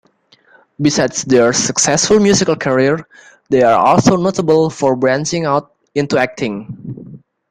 Besides their successful musical careers, they are also notable for branching out into acting.